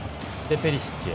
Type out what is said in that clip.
ペリシッチへ。